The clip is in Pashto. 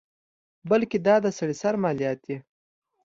بلکې دا د سړي سر مالیات دي.